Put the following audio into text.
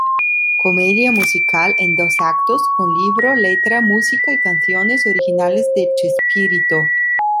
Comedia musical en dos actos, con libro, letra, música y canciones originales de Chespirito.